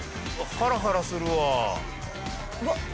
ハラハラするわ。